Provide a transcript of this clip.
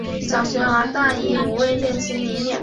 堆肥是被分解和回收的有机物质作为肥料和。